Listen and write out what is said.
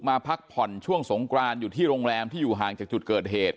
พักผ่อนช่วงสงกรานอยู่ที่โรงแรมที่อยู่ห่างจากจุดเกิดเหตุ